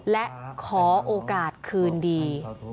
และขอโอกาสคืนดี